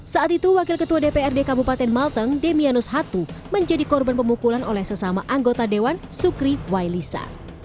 saat itu wakil ketua dprd kabupaten malteng demianus hatu menjadi korban pemukulan oleh sesama anggota dewan sukri wailisa